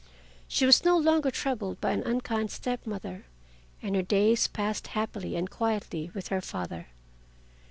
She was no longer troubled by an unkind step mother, and her days passed happily and quietly with her father.